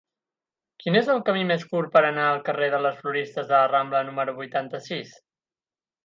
Quin és el camí més curt per anar al carrer de les Floristes de la Rambla número vuitanta-sis?